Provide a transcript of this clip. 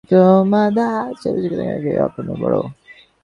সরলা জিজ্ঞাসা করলে, ও কী, এখনি এলে যে বড়ো!